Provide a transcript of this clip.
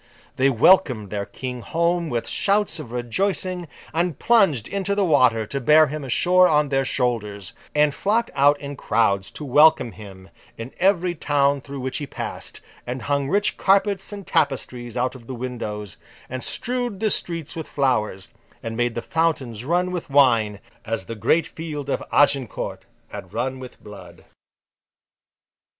They welcomed their King home with shouts of rejoicing, and plunged into the water to bear him ashore on their shoulders, and flocked out in crowds to welcome him in every town through which he passed, and hung rich carpets and tapestries out of the windows, and strewed the streets with flowers, and made the fountains run with wine, as the great field of Agincourt had run with blood.